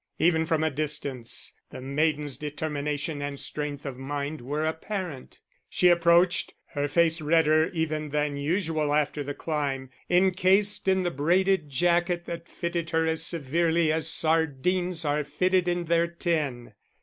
Even from a distance the maiden's determination and strength of mind were apparent; she approached, her face redder even than usual after the climb, encased in the braided jacket that fitted her as severely as sardines are fitted in their tin.